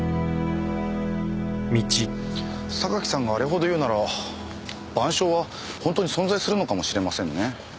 榊さんがあれほど言うなら『晩鐘』は本当に存在するのかもしれませんね。